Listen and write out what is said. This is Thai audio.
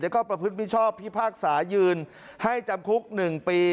แล้วก็ประพฤติมิชอบพิพากษายืนให้จำคุก๑ปี